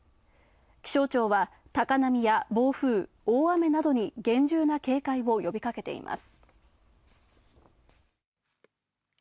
気象庁は高波や暴風、大雨などに厳重な警戒を呼びかけています。